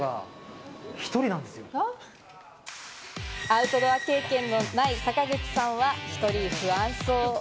アウトドア経験のない坂口さんは１人不安そう。